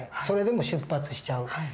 それでも出発しちゃう。